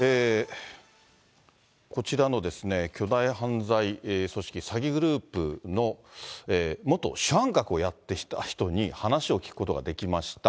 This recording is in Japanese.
こちらのですね、巨大犯罪組織、詐欺グループの元主犯格をやっていた人に話を聞くことができました。